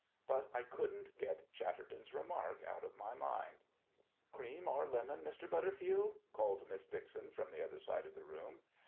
But I couldn't get Chatterton's remark out of my mind. "Cream or lemon, Mr. Butterfield?" called Miss Dixon from the other side of the room.